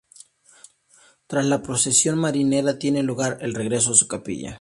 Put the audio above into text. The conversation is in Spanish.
Tras la procesión marinera tiene lugar el regreso a su capilla.